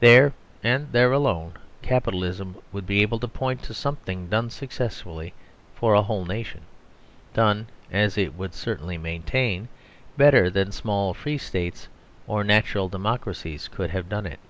There, and there alone, Capitalism would be able to point to something done successfully for a whole nation done (as it would certainly maintain) better than small free States or natural democracies could have done it.